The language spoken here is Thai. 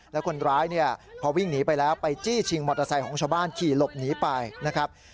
แล้วคนร้ายเนี่ยพอวิ่งหนีไปแล้วไปจี้ชิงมอเตอร์ไซค์ของชาวบ้านขี่หลบหนีไปนะครับ